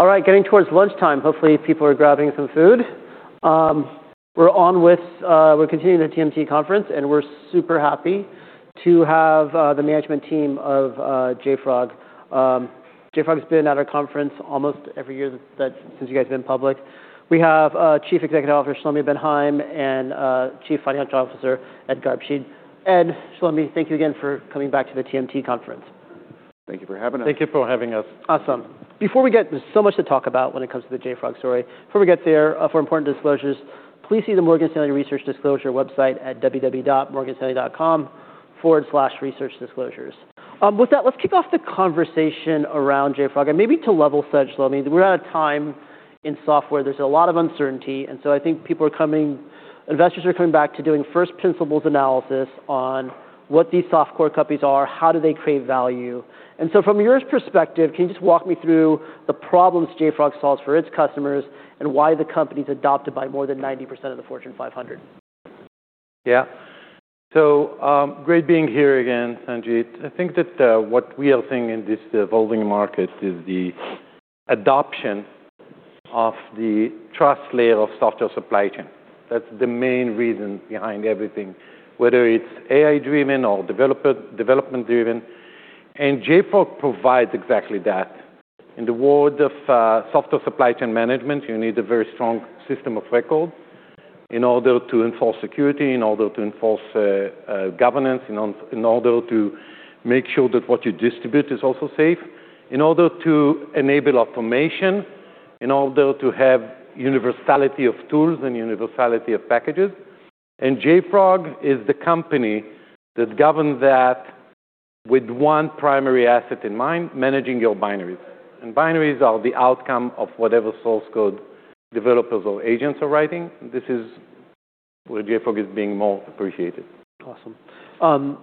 All right, getting towards lunchtime. Hopefully, people are grabbing some food. We're continuing the TMT conference, and we're super happy to have the management team of JFrog. JFrog's been at our conference almost every year since you guys have been public. We have Chief Executive Officer, Shlomi Ben Haim, and Chief Financial Officer, Ed Grabscheid. Ed, Shlomi, thank you again for coming back to the TMT conference. Thank you for having us. Thank you for having us. Awesome. There's so much to talk about when it comes to the JFrog story. Before we get there, for important disclosures, please see the Morgan Stanley research disclosure website at www.morganstanley.com/researchdisclosures. With that, let's kick off the conversation around JFrog, and maybe to level set, Shlomi. We're at a time in software, there's a lot of uncertainty, so I think investors are coming back to doing first principles analysis on what these soft core companies are, how do they create value? From your perspective, can you just walk me through the problems JFrog solves for its customers and why the company's adopted by more than 90% of the Fortune 500? Great being here again, Sanjit. I think that what we are seeing in this evolving market is the adoption of the trust layer of software supply chain. That's the main reason behind everything, whether it's AI-driven or development-driven. JFrog provides exactly that. In the world of software supply chain management, you need a very strong system of record in order to enforce security, in order to enforce governance, in order to make sure that what you distribute is also safe, in order to enable automation, in order to have universality of tools and universality of packages. JFrog is the company that governs that with one primary asset in mind: managing your binaries. Binaries are the outcome of whatever source code developers or agents are writing. This is where JFrog is being more appreciated. Awesome.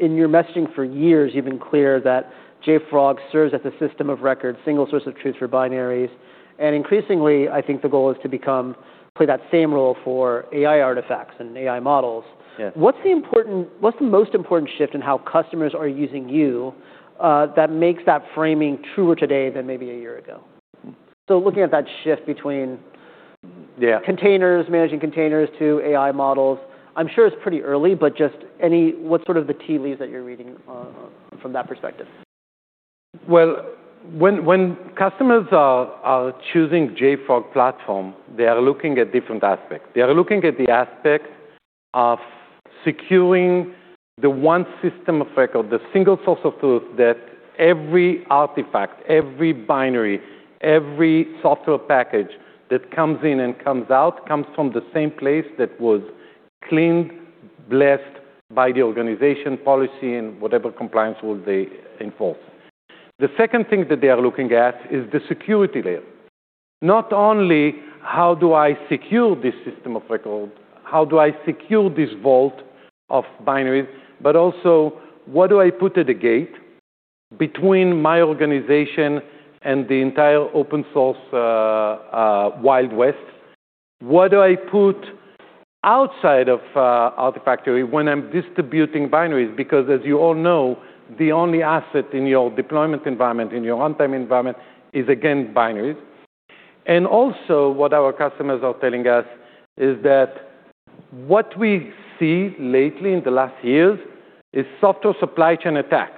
In your messaging for years, you've been clear that JFrog serves as a system of record, single source of truth for binaries. Increasingly, I think the goal is to play that same role for AI artifacts and AI models. Yeah. What's the most important shift in how customers are using you that makes that framing truer today than maybe a year ago? Looking at that shift between containers, managing containers to AI models, I'm sure it's pretty early, but just what's sort of the tea leaves that you're reading from that perspective? Well, when customers are choosing JFrog platform, they are looking at different aspects. They are looking at the aspect of securing the one system of record, the single source of truth that every artifact, every binary, every software package that comes in and comes out comes from the same place that was cleaned, blessed by the organization policy, and whatever compliance rules they enforce. The second thing that they are looking at is the security layer. Not only how do I secure this system of record, how do I secure this vault of binaries, but also what do I put at the gate between my organization and the entire open source Wild West? What do I put outside of Artifactory when I'm distributing binaries? As you all know, the only asset in your deployment environment, in your runtime environment is, again, binaries. Also, what our customers are telling us is that what we see lately in the last years is software supply chain attack.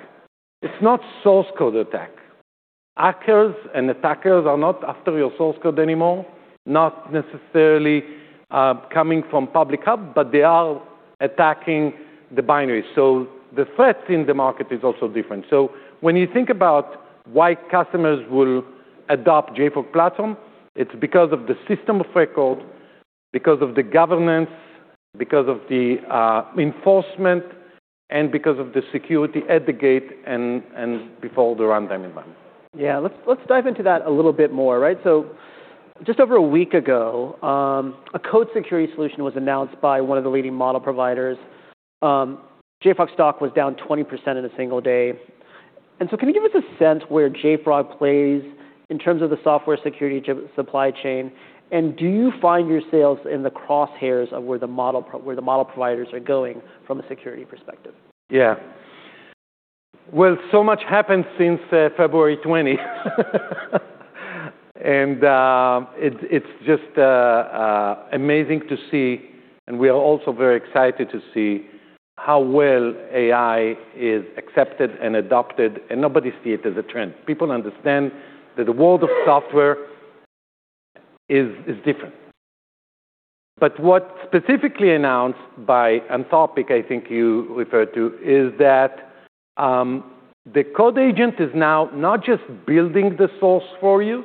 It's not source code attack. Hackers and attackers are not after your source code anymore, not necessarily, coming from public hub, but they are attacking the binaries. The threat in the market is also different. When you think about why customers will adopt JFrog platform, it's because of the system of record, because of the governance, because of the enforcement, and because of the security at the gate and before the runtime environment. Yeah. Let's dive into that a little bit more, right? Just over a week ago, a code security solution was announced by one of the leading model providers. JFrog stock was down 20% in a single day. Can you give us a sense where JFrog plays in terms of the software security supply chain? Do you find your sales in the crosshairs of where the model providers are going from a security perspective? Well, so much happened since February 20. It's just amazing to see, and we are also very excited to see how well AI is accepted and adopted, and nobody see it as a trend. People understand that the world of software is different. What specifically announced by Anthropic, I think you referred to, is that the code agent is now not just building the source for you,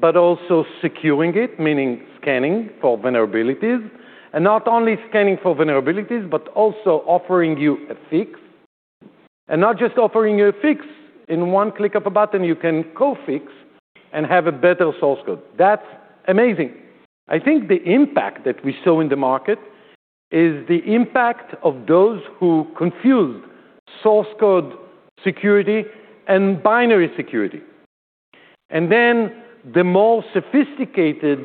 but also securing it, meaning scanning for vulnerabilities. Not only scanning for vulnerabilities, but also offering you a fix. Not just offering you a fix, in one click of a button, you can co-fix and have a better source code. That's amazing. I think the impact that we saw in the market is the impact of those who confused source code security and binary security. The more sophisticated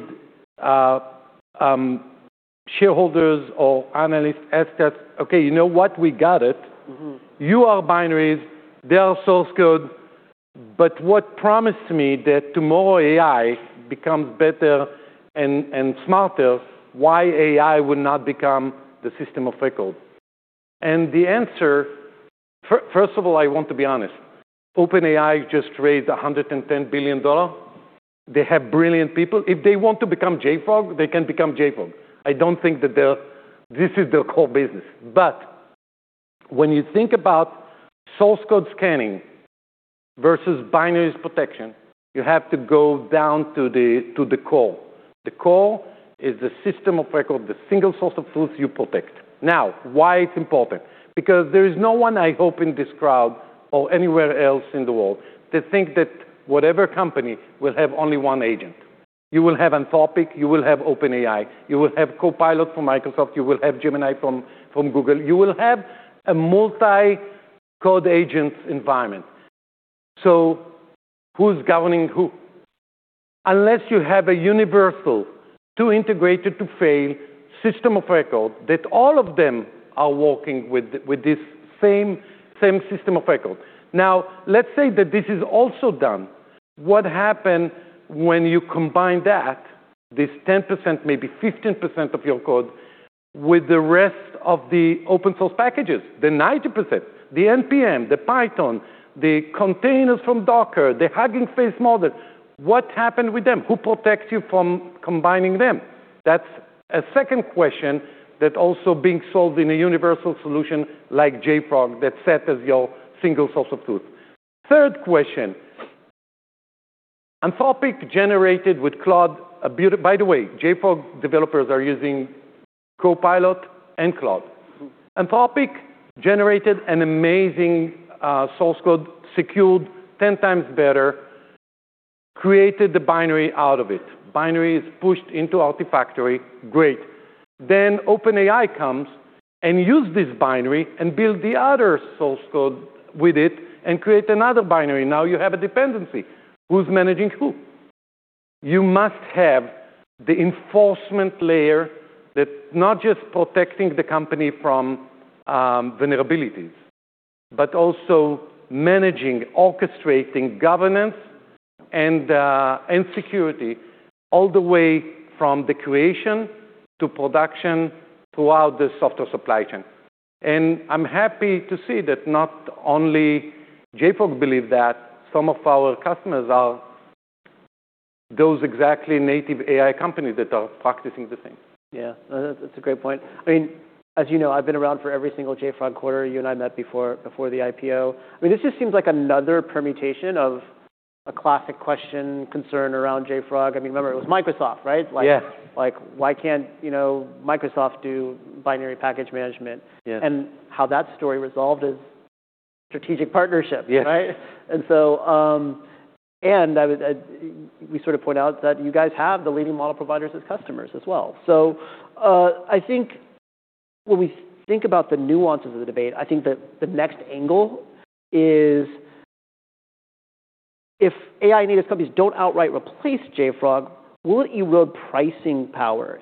shareholders or analysts ask us, "Okay, you know what? We got it. You are binaries, they are source code, but what promise to me that tomorrow AI becomes better and smarter, why AI would not become the system of record?" First of all, I want to be honest. OpenAI just raised $110 billion. They have brilliant people. If they want to become JFrog, they can become JFrog. I don't think that this is their core business. When you think about source code scanning versus binaries protection, you have to go down to the core. The core is the system of record, the single source of truth you protect. Why it's important? There is no one, I hope, in this crowd or anywhere else in the world that think that whatever company will have only one agent. You will have Anthropic, you will have OpenAI, you will have Copilot from Microsoft, you will have Gemini from Google. You will have a multi-code agent environment. Who's governing who? Unless you have a universal, too integrated to fail system of record that all of them are working with this same system of record. Let's say that this is also done. What happen when you combine that, this 10%, maybe 15% of your code, with the rest of the open source packages, the 90%, the npm, the Python, the containers from Docker, the Hugging Face model. What happen with them? Who protects you from combining them? That's a second question that also being solved in a universal solution like JFrog that set as your single source of truth. Third question, Anthropic generated with Claude. By the way, JFrog developers are using Copilot and Claude. Anthropic generated an amazing source code, secured 10 times better, created the binary out of it. Binary is pushed into Artifactory. Great. OpenAI comes and use this binary and build the other source code with it and create another binary. Now you have a dependency. Who's managing who? You must have the enforcement layer that not just protecting the company from vulnerabilities, but also managing, orchestrating governance and security all the way from the creation to production throughout the software supply chain. I'm happy to see that not only JFrog believe that, some of our customers are those exactly native AI companies that are practicing the thing. Yeah. That's a great point. I mean, as you know, I've been around for every single JFrog quarter. You and I met before the IPO. I mean, this just seems like another permutation of a classic question, concern around JFrog. I mean, remember, it was Microsoft, right? Yes. Like, why can't, you know, Microsoft do binary package management? Yes. How that story resolved is strategic partnership, right? Yes. We sort of point out that you guys have the leading model providers as customers as well. I think when we think about the nuances of the debate, I think that the next angle is if AI-native companies don't outright replace JFrog, will it erode pricing power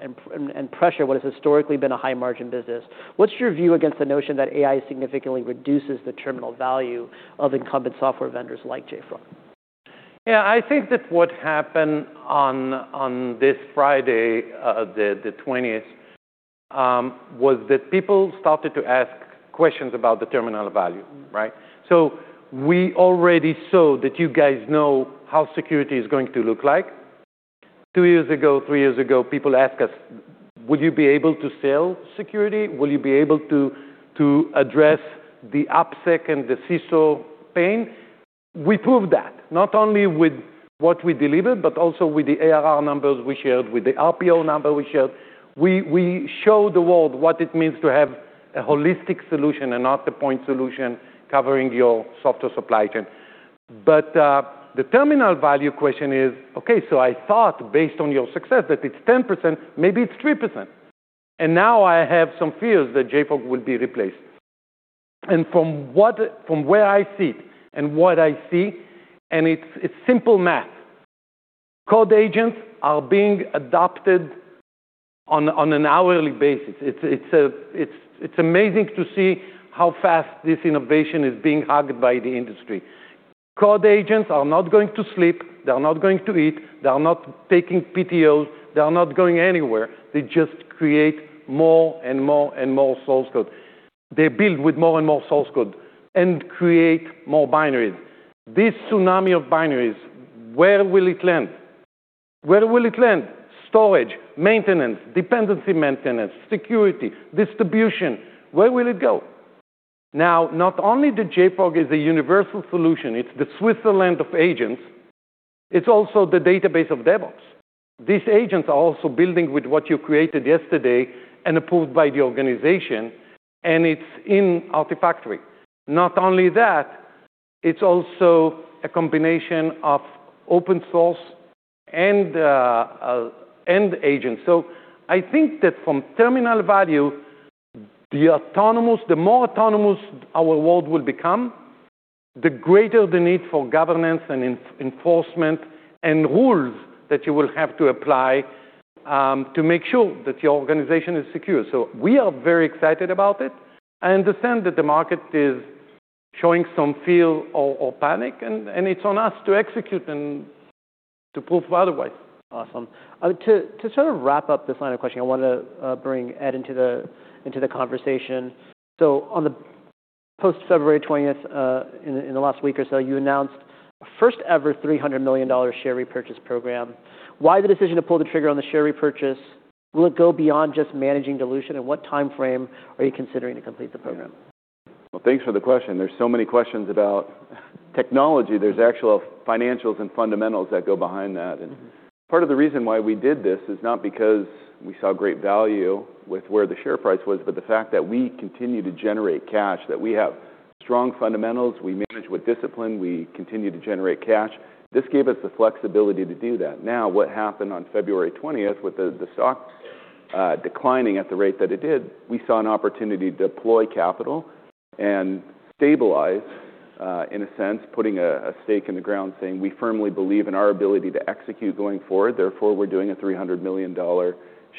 and pressure what has historically been a high-margin business? What's your view against the notion that AI significantly reduces the terminal value of incumbent software vendors like JFrog? I think that what happened on this Friday, the 20th, was that people started to ask questions about the terminal value, right? We already saw that you guys know how security is going to look like. Two years ago, three years ago, people ask us, "Would you be able to sell security? Will you be able to address the AppSec and the CISO pain?" We proved that, not only with what we delivered, but also with the ARR numbers we shared, with the RPO number we shared. We show the world what it means to have a holistic solution and not the point solution covering your software supply chain. The terminal value question is, okay, I thought based on your success that it's 10%, maybe it's 3%, and now I have some fears that JFrog will be replaced. From where I sit and what I see, and it's simple math. Code agents are being adopted on an hourly basis. It's amazing to see how fast this innovation is being hugged by the industry. Code agents are not going to sleep, they are not going to eat, they are not taking PTOs, they are not going anywhere. They just create more and more and more source code. They build with more and more source code and create more binaries. This tsunami of binaries, where will it land? Where will it land? Storage, maintenance, dependency maintenance, security, distribution. Where will it go? Not only that JFrog is a universal solution, it's the Switzerland of agents, it's also the database of DevOps. These agents are also building with what you created yesterday and approved by the organization, and it's in Artifactory. Not only that, it's also a combination of open source and end agents. I think that from terminal value, the more autonomous our world will become. The greater the need for governance and enforcement and rules that you will have to apply to make sure that your organization is secure. We are very excited about it. I understand that the market is showing some fear or panic and it's on us to execute and to prove otherwise. Awesome. To sort of wrap up this line of questioning, I wanna bring Ed into the conversation. On the post-February 20th, in the last week or so, you announced first ever $300 million share repurchase program. Why the decision to pull the trigger on the share repurchase? Will it go beyond just managing dilution, and what timeframe are you considering to complete the program? Well, thanks for the question. There's so many questions about technology, there's actual financials and fundamentals that go behind that. Part of the reason why we did this is not because we saw great value with where the share price was, but the fact that we continue to generate cash, that we have strong fundamentals, we manage with discipline, we continue to generate cash. This gave us the flexibility to do that. What happened on February 20th with the stock declining at the rate that it did, we saw an opportunity to deploy capital and stabilize in a sense, putting a stake in the ground saying we firmly believe in our ability to execute going forward, therefore, we're doing a $300 million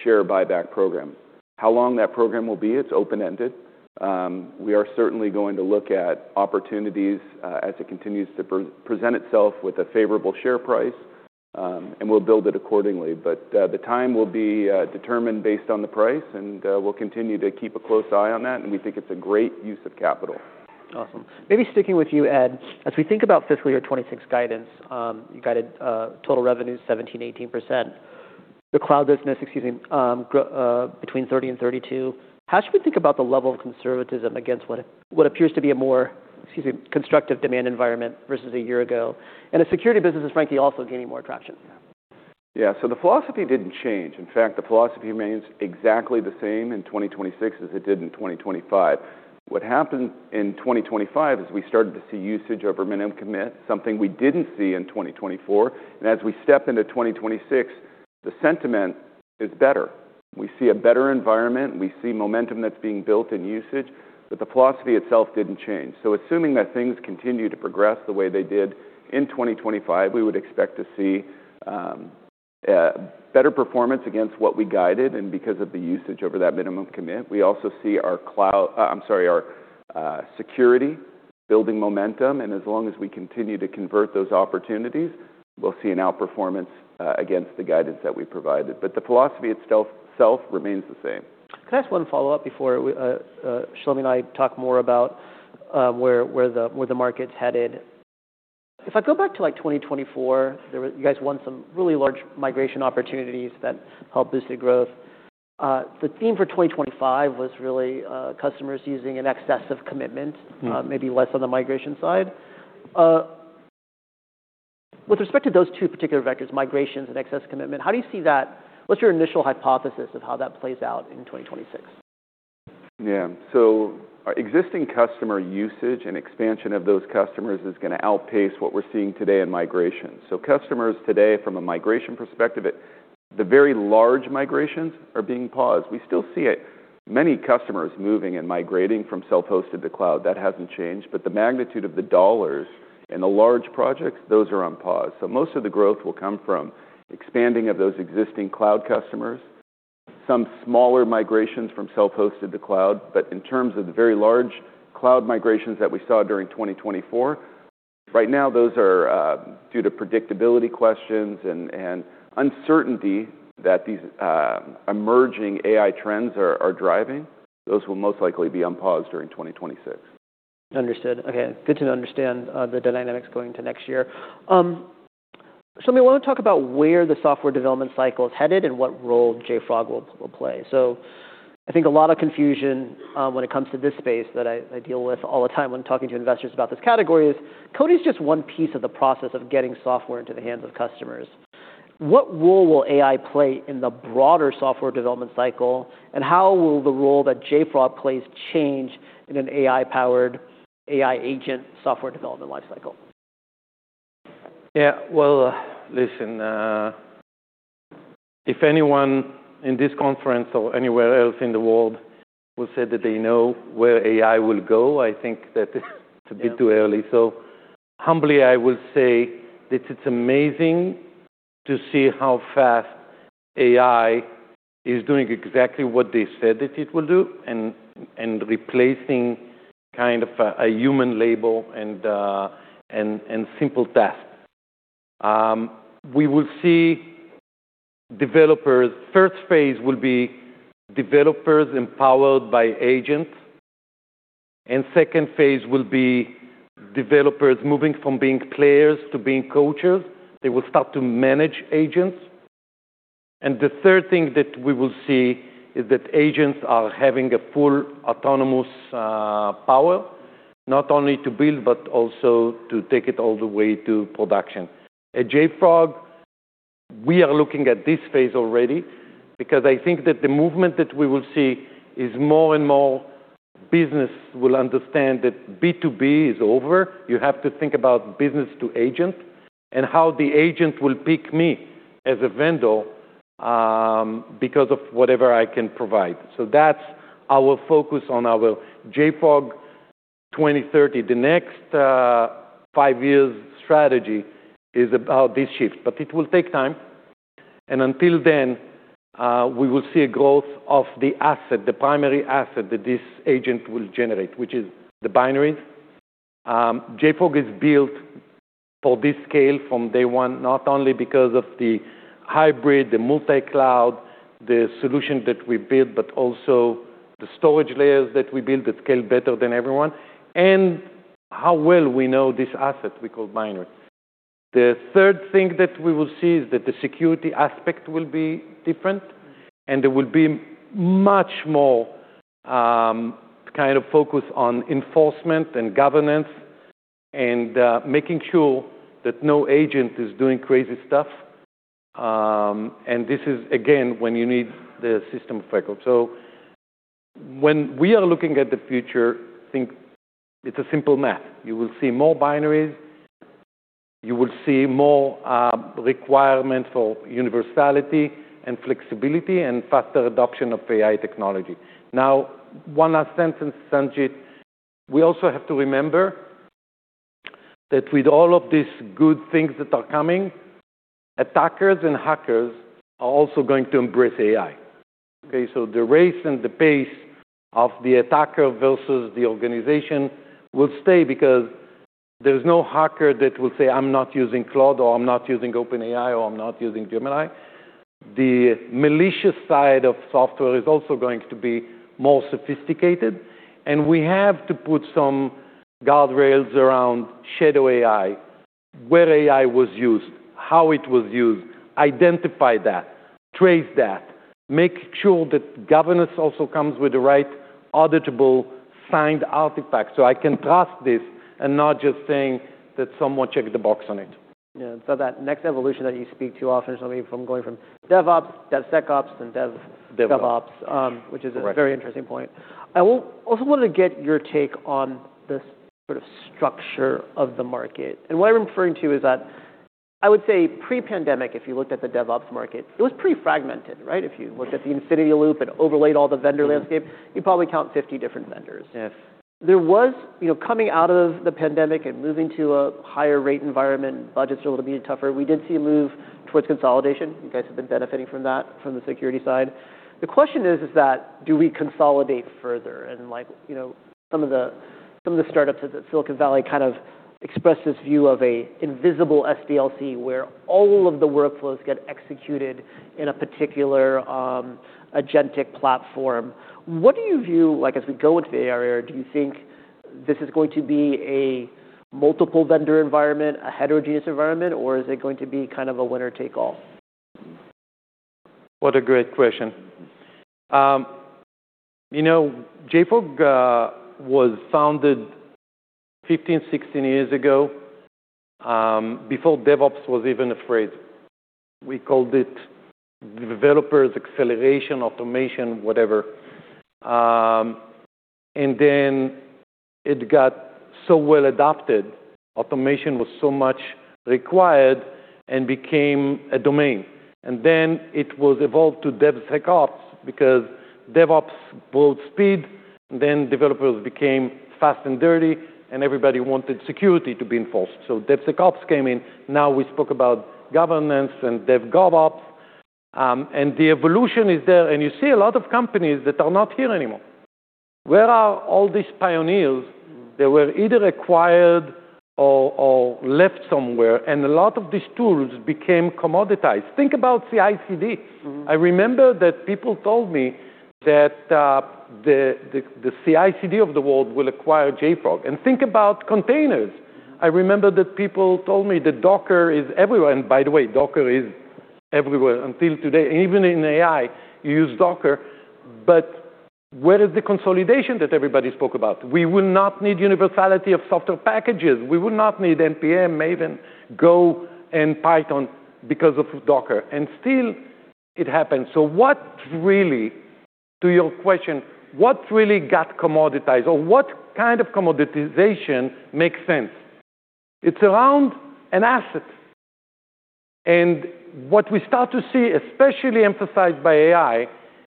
share buyback program. How long that program will be? It's open-ended. We are certainly going to look at opportunities, as it continues to present itself with a favorable share price, and we'll build it accordingly. The time will be determined based on the price, and we'll continue to keep a close eye on that, and we think it's a great use of capital. Awesome. Maybe sticking with you, Ed. As we think about fiscal year 2026 guidance, you guided total revenue 17%-18%. The cloud business, excuse me, between 30% and 32%. How should we think about the level of conservatism against what appears to be a more, excuse me, constructive demand environment versus a year ago? The security business is frankly also gaining more traction. The philosophy didn't change. In fact, the philosophy remains exactly the same in 2026 as it did in 2025. What happened in 2025 is we started to see usage over minimum commit, something we didn't see in 2024. As we step into 2026, the sentiment is better. We see a better environment, we see momentum that's being built in usage, but the philosophy itself didn't change. Assuming that things continue to progress the way they did in 2025, we would expect to see better performance against what we guided and because of the usage over that minimum commit. We also see I'm sorry, our security building momentum, and as long as we continue to convert those opportunities, we'll see an outperformance against the guidance that we provided. The philosophy itself remains the same. Can I ask one follow-up before we Shlomi and I talk more about where the market's headed? If I go back to, like, 2024, you guys won some really large migration opportunities that helped boost the growth. The theme for 2025 was really customers using an excess of commitment maybe less on the migration side. With respect to those two particular vectors, migrations and excess commitment, how do you see that? What's your initial hypothesis of how that plays out in 2026? Yeah. Our existing customer usage and expansion of those customers is gonna outpace what we're seeing today in migration. Customers today, from a migration perspective, the very large migrations are being paused. We still see many customers moving and migrating from self-hosted to cloud. That hasn't changed, the magnitude of the dollars and the large projects, those are on pause. Most of the growth will come from expanding of those existing cloud customers. Some smaller migrations from self-hosted to cloud, but in terms of the very large cloud migrations that we saw during 2024, right now, those are due to predictability questions and uncertainty that these emerging AI trends are driving. Those will most likely be unpaused during 2026. Understood. Okay. Good to understand the dynamics going into next year. Shlomi, I wanna talk about where the software development cycle is headed and what role JFrog will play. I think a lot of confusion when it comes to this space that I deal with all the time when talking to investors about this category is code is just one piece of the process of getting software into the hands of customers. What role will AI play in the broader software development cycle, and how will the role that JFrog plays change in an AI-powered, AI agent software development life cycle? Yeah. Well, listen, if anyone in this conference or anywhere else in the world will say that they know where AI will go, I think that it's a bit too early. Humbly, I will say that it's amazing to see how fast AI is doing exactly what they said that it will do and replacing kind of a human label and simple tasks. We will see developers... First phase will be developers empowered by agents, and second phase will be developers moving from being players to being coaches. They will start to manage agents. The third thing that we will see is that agents are having a full autonomous power, not only to build, but also to take it all the way to production. At JFrog, we are looking at this phase already because I think that the movement that we will see is more and more business will understand that B2B is over. You have to think about business to agent and how the agent will pick me as a vendor, because of whatever I can provide. That's our focus on our JFrog 2030. The next five years strategy is about this shift, but it will take time. Until then, we will see a growth of the asset, the primary asset that this agent will generate, which is the binaries. JFrog is built for this scale from day one, not only because of the hybrid, the multi-cloud, the solution that we build, but also the storage layers that we build that scale better than everyone, and how well we know this asset we call binaries. The third thing that we will see is that the security aspect will be different, and there will be much more kind of focus on enforcement and governance, and making sure that no agent is doing crazy stuff. This is again when you need the system of record. When we are looking at the future, think it's a simple math. You will see more binaries, you will see more requirement for universality and flexibility, and faster adoption of AI technology. One last sentence, Sanjit. We also have to remember that with all of these good things that are coming, attackers and hackers are also going to embrace AI. Okay, the race and the pace of the attacker versus the organization will stay because there's no hacker that will say, "I'm not using Claude," or, "I'm not using OpenAI," or, "I'm not using Gemini." The malicious side of software is also going to be more sophisticated, and we have to put some guardrails around Shadow AI, where AI was used, how it was used, identify that, trace that, make sure that governance also comes with the right auditable signed artifact, so I can trust this and not just saying that someone checked the box on it. Yeah. That next evolution that you speak to often is going from DevOps, DevSecOps, and... DevOps DevOps, which is a very interesting point. I also wanted to get your take on the sort of structure of the market. What I'm referring to is that, I would say pre-pandemic, if you looked at the DevOps market, it was pretty fragmented, right? If you looked at the infinity loop and overlaid all the vendor landscape, you'd probably count 50 different vendors. Yes. There was, you know, coming out of the pandemic and moving to a higher rate environment, budgets are a little bit tougher. We did see a move towards consolidation. You guys have been benefiting from that, from the security side. The question is that do we consolidate further? Like, you know, some of the, some of the startups at Silicon Valley kind of express this view of a invisible SDLC where all of the workflows get executed in a particular agentic platform. What do you view, like as we go into the AI era, do you think this is going to be a multiple vendor environment, a heterogeneous environment, or is it going to be kind of a winner take all? What a great question. You know, JFrog was founded 15, 16 years ago, before DevOps was even a phrase. We called it developers' acceleration, automation, whatever. Then it got so well adopted, automation was so much required, and became a domain. Then it was evolved to DevSecOps because DevOps brought speed, then developers became fast and dirty, and everybody wanted security to be enforced. DevSecOps came in. Now, we spoke about governance and DevGovOps. The evolution is there, and you see a lot of companies that are not here anymore. Where are all these pioneers? They were either acquired or left somewhere, and a lot of these tools became commoditized. Think about CICD. I remember that people told me that the CICD of the world will acquire JFrog. Think about containers. I remember that people told me that Docker is everywhere. By the way, Docker is everywhere until today. Even in AI, you use Docker. Where is the consolidation that everybody spoke about? We will not need universality of software packages. We will not need npm, Maven, Go, and Python because of Docker. Still, it happens. What really, to your question, what really got commoditized, or what kind of commoditization makes sense? It's around an asset. What we start to see, especially emphasized by AI,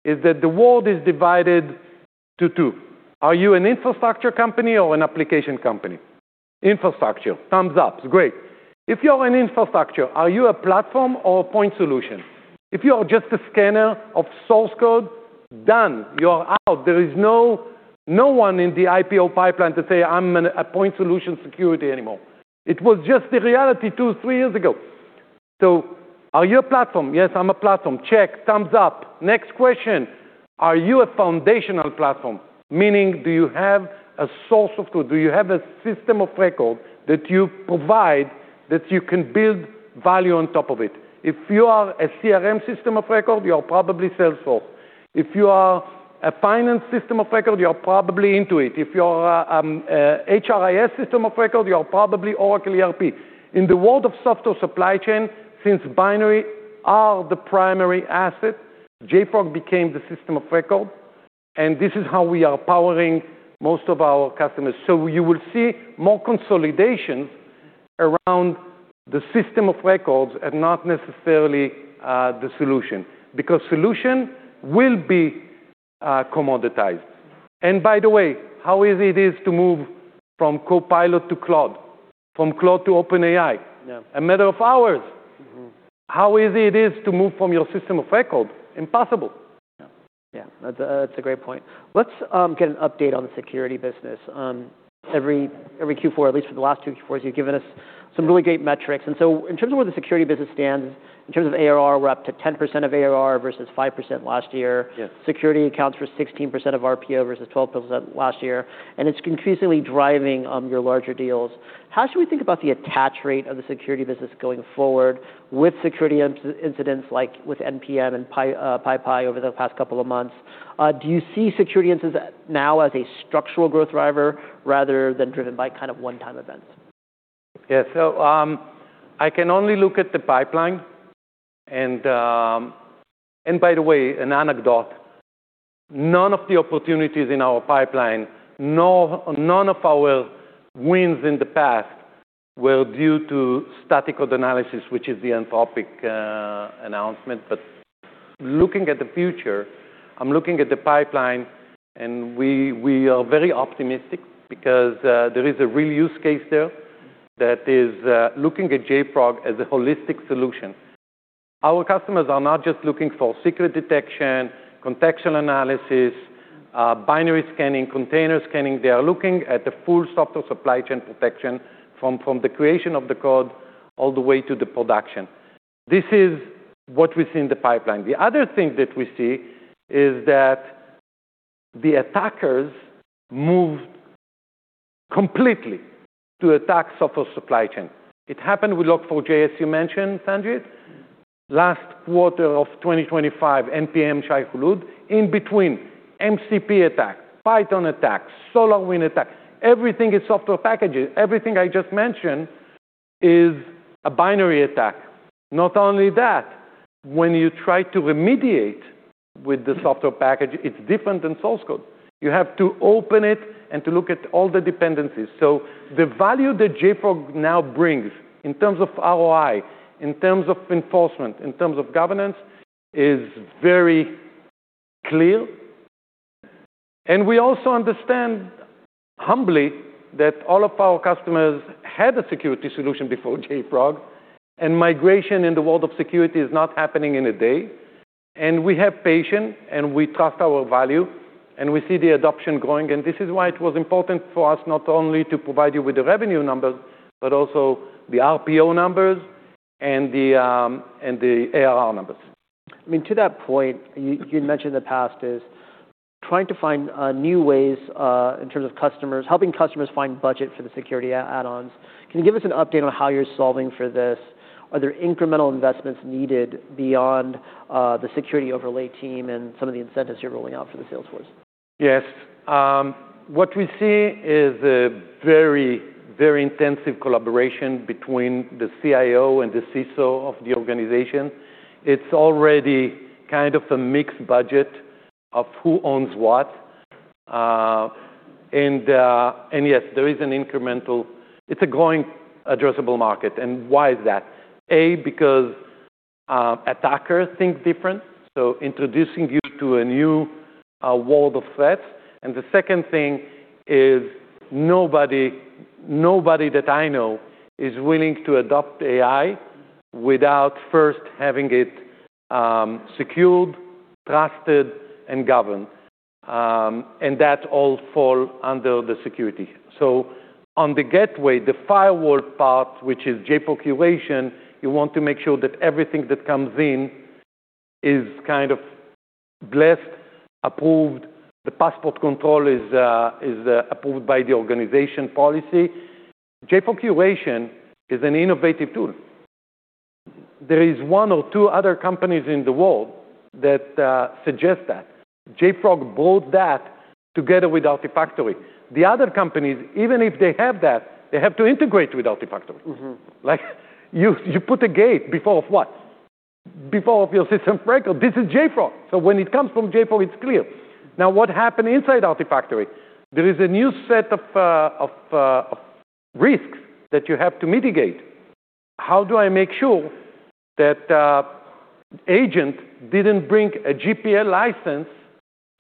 is that the world is divided to two. Are you an infrastructure company or an application company? Infrastructure. Thumbs up. Great. If you're an infrastructure, are you a platform or a point solution? If you are just a scanner of source code, done. You are out. There is no one in the IPO pipeline to say, "I'm an, a point solution security" anymore. It was just the reality two to three years ago. Are you a platform? Yes, I'm a platform. Check. Thumbs up. Next question, are you a foundational platform? Meaning, do you have a source of code? Do you have a system of record that you provide that you can build value on top of it? If you are a CRM system of record, you are probably Salesforce. If you are a finance system of record, you are probably Intuit. If you are a HRIS system of record, you are probably Oracle ERP. In the world of software supply chain, since binaries are the primary asset, JFrog became the system of record, and this is how we are powering most of our customers. You will see more consolidation around the system of records and not necessarily, the solution because solution will be commoditized. By the way, how easy it is to move from Copilot to Claude, from Claude to OpenAI? A matter of hours. How easy it is to move from your system of record? Impossible. Yeah. That's a great point. Let's get an update on the security business. Every Q4, at least for the last two Q4s, you've given us some really great metrics. In terms of where the security business stands, in terms of ARR, we're up to 10% of ARR versus 5% last year. Yes. Security accounts for 16% of RPO versus 12% last year, and it's increasingly driving your larger deals. How should we think about the attach rate of the security business going forward with security incidents like with npm and PyPI over the past couple of months? Do you see security incidents now as a structural growth driver rather than driven by kind of one-time events? I can only look at the pipeline. An anecdote, none of the opportunities in our pipeline, nor none of our wins in the past were due to static code analysis, which is the Anthropic announcement. Looking at the future, I'm looking at the pipeline, and we are very optimistic because there is a real use case there that is looking at JFrog as a holistic solution. Our customers are not just looking for secret detection, contextual analysis, binary scanning, container scanning. They are looking at the full software supply chain protection from the creation of the code all the way to the production. This is what we see in the pipeline. The other thing that we see is that the attackers moved completely to attack software supply chain. It happened with Log4j, as you mentioned, Sanjit. Last quarter of 2025, npm Shai-Hulud. In between, MCP attack, Python attack, SolarWinds attack. Everything is software packages. Everything I just mentioned is a binary attack. Not only that, when you try to remediate with the software package, it's different than source code. You have to open it and to look at all the dependencies. The value that JFrog now brings in terms of ROI, in terms of enforcement, in terms of governance is very clear. We also understand humbly that all of our customers had a security solution before JFrog, and migration in the world of security is not happening in a day. We have patience, and we trust our value, and we see the adoption growing. This is why it was important for us not only to provide you with the revenue numbers, but also the RPO numbers and the ARR numbers. I mean, to that point, you mentioned in the past is trying to find new ways in terms of customers, helping customers find budget for the security add-ons. Can you give us an update on how you're solving for this? Are there incremental investments needed beyond the security overlay team and some of the incentives you're rolling out for the sales force? Yes. What we see is a very, very intensive collaboration between the CIO and the CISO of the organization. It's already kind of a mixed budget of who owns what. And yes, there is a growing addressable market. Why is that? A, because attackers think different, so introducing you to a new world of threats. The second thing is nobody that I know is willing to adopt AI without first having it secured, trusted, and governed. That all fall under the security. On the gateway, the firewall part, which is JFrog Curation, you want to make sure that everything that comes in is kind of blessed, approved. The passport control is approved by the organization policy. JFrog Curation is an innovative tool. There is one or two other companies in the world that suggest that. JFrog brought that together with Artifactory. The other companies, even if they have that, they have to integrate with Artifactory. You put a gate before what? Before of your system of record. This is JFrog. When it comes from JFrog, it's clear. What happened inside Artifactory? There is a new set of risks that you have to mitigate. How do I make sure that agent didn't bring a GPL license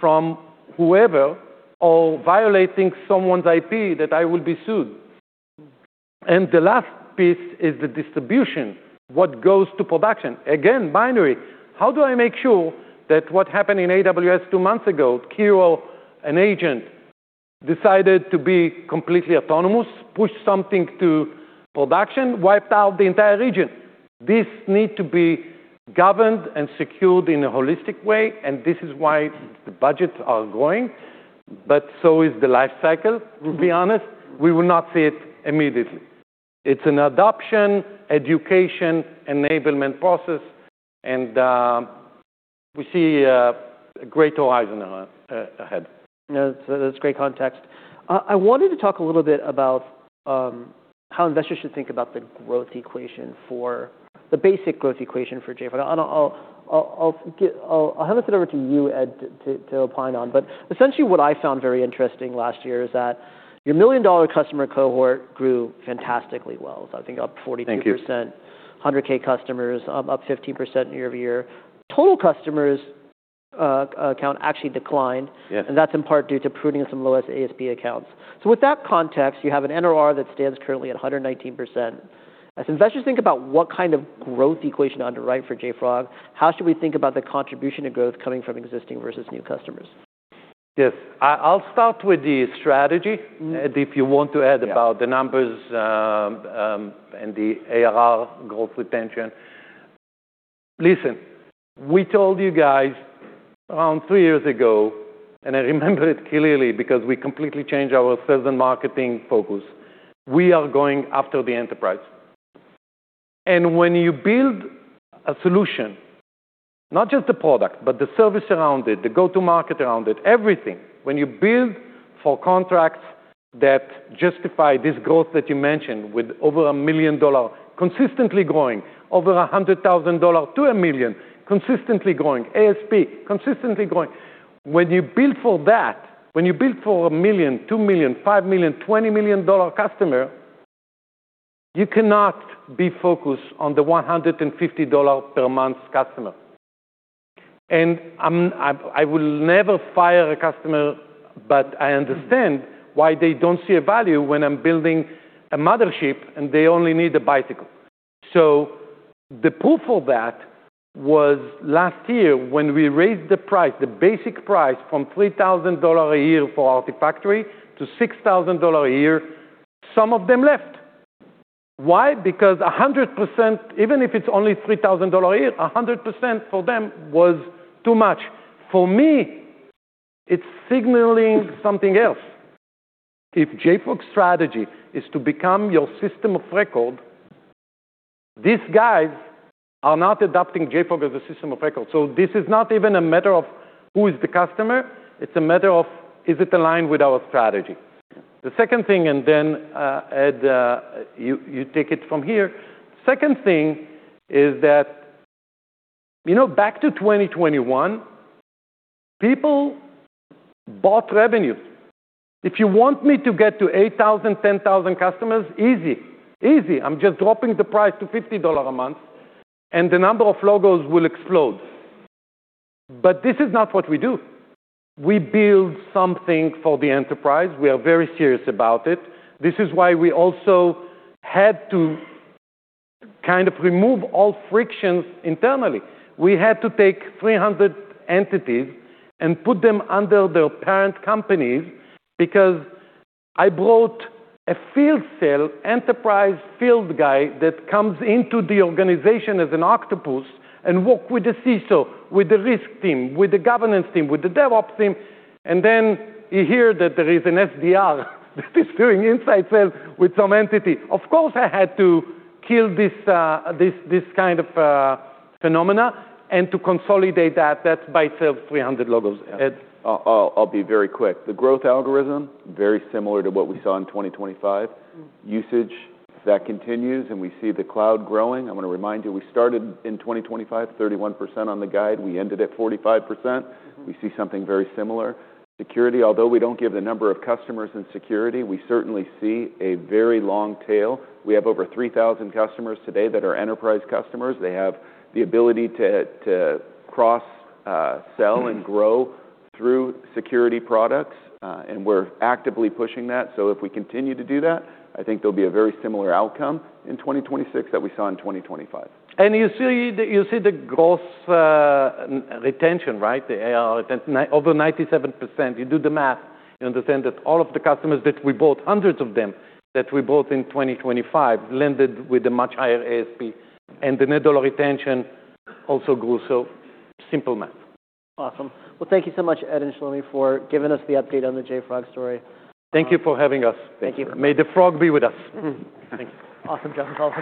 from whoever or violating someone's IP that I will be sued? The last piece is the distribution, what goes to production. Again, binary. How do I make sure that what happened in AWS two months ago, Kiro, an agent, decided to be completely autonomous, push something to production, wiped out the entire region. This need to be governed and secured in a holistic way, and this is why the budgets are growing, but so is the life cycle. To be honest, we will not see it immediately. It's an adoption, education, enablement process, and we see a great horizon, ahead. Yeah. That's great context. I wanted to talk a little bit about how investors should think about the basic growth equation for JFrog. I'll hand this over to you, Ed, to opine on. Essentially what I found very interesting last year is that your million-dollar customer cohort grew fantastically well, so I think up 42%. Thank you. 100K customers, up 15% year-over-year. Total customers, count actually declined. Yeah. That's in part due to pruning some lowest ASP accounts. With that context, you have an NRR that stands currently at 119%. As investors think about what kind of growth equation to underwrite for JFrog, how should we think about the contribution to growth coming from existing versus new customers? Yes. I'll start with the strategy. Ed, if you want to add about the numbers and the ARR growth retention. Listen, we told you guys around three years ago, I remember it clearly because we completely changed our sales and marketing focus, we are going after the enterprise. When you build a solution, not just the product, but the service around it, the go-to-market around it, everything, when you build for contracts that justify this growth that you mentioned, with over $1 million consistently growing, over $100,000 to $1 million consistently growing, ASP consistently growing, when you build for that, when you build for a $1 million, $2 million, $5 million, $20 million customer, you cannot be focused on the $150 per month customer. I will never fire a customer, I understand why they don't see a value when I'm building a mothership and they only need a bicycle. The proof of that was last year when we raised the price, the basic price, from $3,000 a year for Artifactory to $6,000 a year, some of them left. Why? A 100%, even if it's only $3,000 a year, 100% for them was too much. For me, it's signaling something else. If JFrog's strategy is to become your system of record, these guys are not adopting JFrog as a system of record. This is not even a matter of who is the customer, it's a matter of is it aligned with our strategy. The second thing. Ed, you take it from here. Second thing is that, you know, back to 2021, people bought revenue. If you want me to get to 8,000, 10,000 customers, easy. Easy. I'm just dropping the price to $50 a month and the number of logos will explode. This is not what we do. We build something for the enterprise. We are very serious about it. This is why we also had to kind of remove all frictions internally. We had to take 300 entities and put them under their parent companies because I brought a field sale, enterprise field guy that comes into the organization as an octopus and work with the CISO, with the risk team, with the governance team, with the DevOps team, and then you hear that there is an SDR that is doing inside sales with some entity. Of course, I had to kill this kind of phenomena and to consolidate that. That by itself, 300 logos. Ed? I'll be very quick. The growth algorithm, very similar to what we saw in 2025. Usage, that continues. We see the cloud growing. I wanna remind you, we started in 2025, 31% on the guide. We ended at 45%. We see something very similar. Security, although we don't give the number of customers in security, we certainly see a very long tail. We have over 3,000 customers today that are enterprise customers. They have the ability to cross sell and grow through security products, and we're actively pushing that. If we continue to do that, I think there'll be a very similar outcome in 2026 that we saw in 2025. You see the gross retention, right? The ARR retention, over 97%. You do the math, you understand that all of the customers that we bought, hundreds of them, that we bought in 2025 landed with a much higher ASP, and the net dollar retention also grew. Simple math. Awesome. Well, thank you so much, Ed and Shlomi, for giving us the update on the JFrog story. Thank you for having us. Thank you. May the frog be with us. Thank you. Awesome job, guys.